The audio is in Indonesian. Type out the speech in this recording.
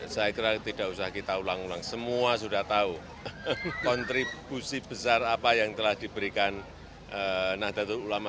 saya kira tidak usah kita ulang ulang semua sudah tahu kontribusi besar apa yang telah diberikan nahdlatul ulama